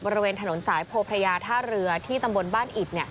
บริเวณถนนสายโพพระยาท่าเรือที่ตำบลบ้านอิด